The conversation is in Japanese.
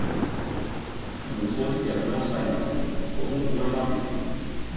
もう正直やり直したいなと思いますよ。